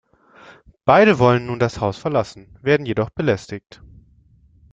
Beide wollen nun das Haus verlassen, werden jedoch belästigt.